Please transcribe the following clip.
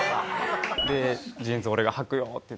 「ジーンズ俺がはくよ」って言って。